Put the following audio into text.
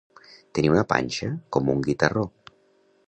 Tenir una panxa com un guitarró.